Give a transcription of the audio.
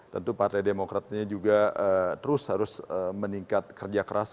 tentu partai demokratnya juga terus harus meningkat kerja keras